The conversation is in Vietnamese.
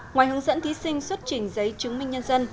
ngoài hướng dẫn thí sinh xuất trình giấy chứng minh nhân dân